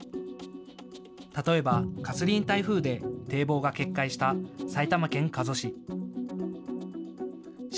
例えばカスリーン台風で堤防が決壊した埼玉県加須市。